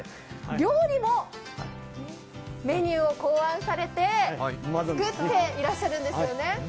料理もメニューを考案されて作ってらっしゃるんですよね。